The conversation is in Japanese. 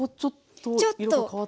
色が変わって。